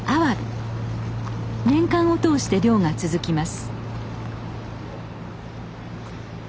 年間を通して漁が続きます。